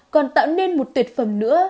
còn tạo nên một tuyệt phẩm nữa